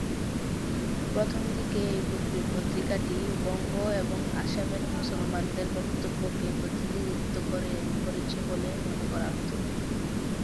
প্রথম দিকে এই পত্রিকাটি বঙ্গ এবং আসামের মুসলমানদের বক্তব্যকে প্রতিনিধিত্ব করছে বলে মনে করা হত।